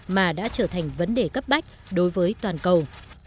mà đã trở thành vấn đề cấp bách đối với toàn cầu